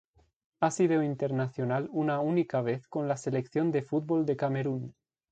Ha sido internacional una única vez con la Selección de fútbol de Camerún.